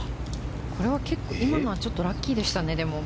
今のはちょっとラッキーでしたね。